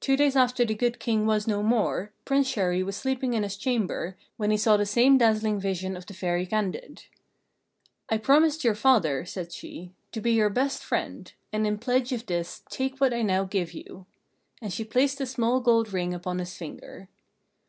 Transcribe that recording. Two days after the Good King was no more, Prince Chéri was sleeping in his chamber, when he saw the same dazzling vision of the Fairy Candide. "I promised your father," said she, "to be your best friend, and in pledge of this take what I now give you." And she placed a small gold ring upon his finger.